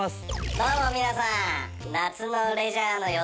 どうも皆さん。